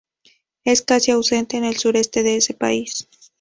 Es casi ausente en el sureste de ese país.